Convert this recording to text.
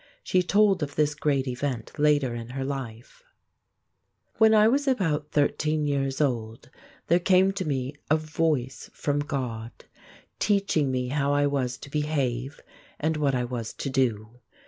She told of this great event later in her life: "When I was about thirteen years old there came to me a Voice from God, teaching me how I was to behave and what I was to do.